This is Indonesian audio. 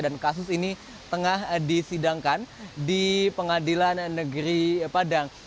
dan kasus ini tengah disidangkan di pengadilan negeri padang